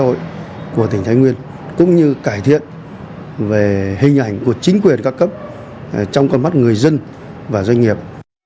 công cuộc chuyển đổi số của tỉnh thái nguyên cũng như cải thiện về hình ảnh của chính quyền cao cấp trong con mắt người dân và doanh nghiệp